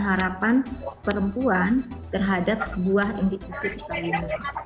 harapan perempuan terhadap sebuah individu cikawin